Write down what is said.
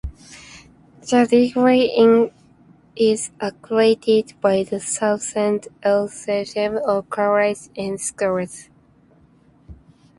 The degree is accredited by the Southern Association of Colleges and Schools.